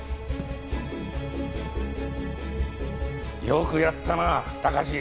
よくやったな貴司。